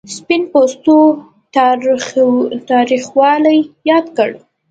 سپین پوستو تاوتریخوالی یاد کړ.